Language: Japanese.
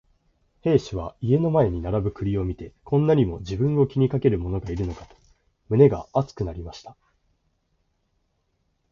兵十は家の前に並ぶ栗を見て、こんなにも自分を気にかける者がいるのかと胸が熱くなりました。